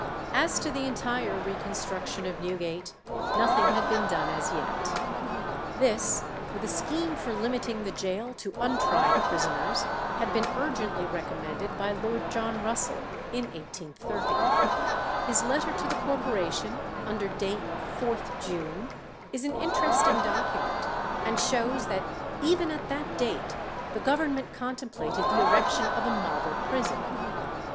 As to the entire reconstruction of Newgate, nothing had been done as yet. This, with a scheme for limiting the gaol to untried prisoners, had been urgently recommended by Lord John Russell in 1830. His letter to the Corporation, under date 4th June, is an interesting document, and shows that even at that date the Government contemplated the erection of a model prison.